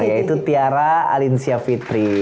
yaitu tiara alinsya fitri